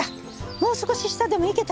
もう少し下でもいけた。